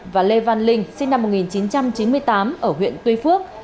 và lê văn linh sinh năm một nghìn chín trăm chín mươi tám ở huyện tuy phước